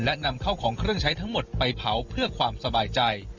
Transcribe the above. และนำเข้าของเครื่องใช้ทั้งหมดไปเผาเพื่อความสบายใจ